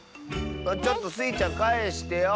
ちょっとスイちゃんかえしてよ。